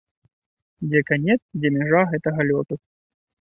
Дзе канец, дзе мяжа гэтага лёту?